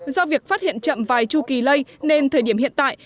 do việc phát hiện chậm vài chu kỳ lây nên thời điểm hiện tại